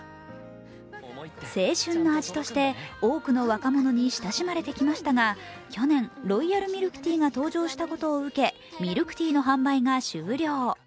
青春の味として多くの若者に親しまれてきましたが去年、ロイヤルミルクティーが登場したことを受け、ミルクティーの販売が終了。